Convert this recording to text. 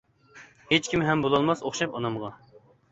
ھېچكىم ھەم بولالماس ئوخشاپ ئانامغا!